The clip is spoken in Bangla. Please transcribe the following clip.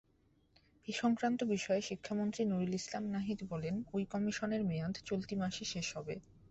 এ সংক্রান্ত বিষয়ে শিক্ষামন্ত্রী নুরুল ইসলাম নাহিদ বলেন, ‘ওই কমিশনের মেয়াদ চলতি মাসে শেষ হবে।